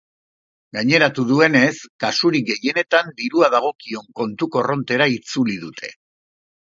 Gaineratu duenez, kasurik gehienetan dirua dagokion kontu korrontera itzuli dute.